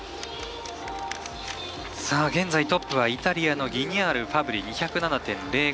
現在トップはイタリアのギニャール、ファブリ２０７．０５。